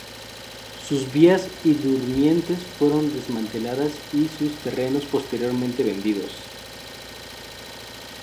Sus vías y durmientes fueron desmanteladas y sus terrenos posteriormente vendidos.